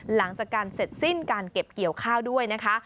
หลังจากการเสร็จสิ้นการเก็บเกี่ยวข้าวด้วยนะคะ